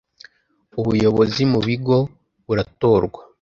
Ubuyobozi mu Bigo buratorwa.